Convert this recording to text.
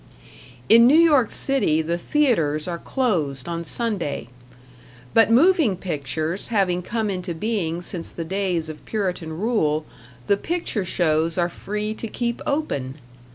In New York City the theaters are closed on Sunday; but moving pictures having come into being since the days of Puritan rule, the picture shows are free to keep open.